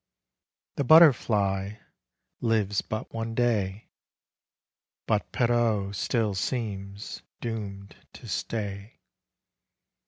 The butterfly lives but one day But Pierrot still seems doom'd to stay.